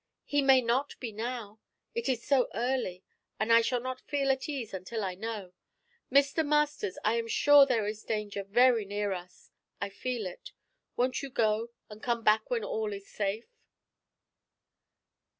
'He may not be now. It is so early, and I shall not feel at ease until I know. Mr. Masters, I am sure there is danger very near us; I feel it. Won't you go and come back when all is safe?'